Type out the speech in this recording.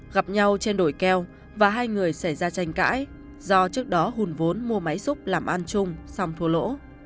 gặp nhau trên đồi keo và hai người xảy ra tranh cãi do trước đó hùn vốn mua máy xúc làm ăn chung xong thua lỗ